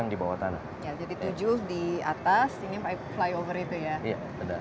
dan enam di bawah tanah itu kenapa